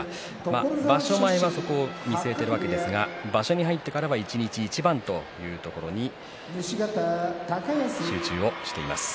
場所前はそこを見据えているわけですが場所に入ってからは一日一番というところに集中しています。